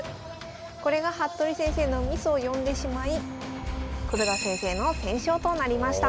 これが服部先生のミスを呼んでしまい黒田先生の先勝となりました。